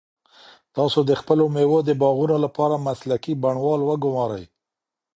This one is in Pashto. تاسو د خپلو مېوو د باغونو لپاره مسلکي بڼوال وګمارئ.